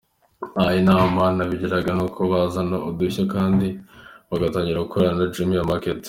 A: Inama nabagira nuko bazana udushya kdi bagatangira gukorana na Jumia Market.